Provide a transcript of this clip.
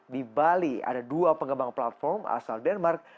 di bali ada dua pengembang platform asal denmark